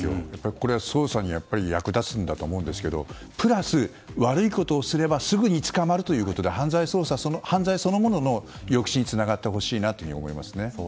それは捜査にやっぱり役立つんだと思うんですけどプラス、悪いことをすればすぐに捕まるということで犯罪そのものの抑止につながってほしいなと思います。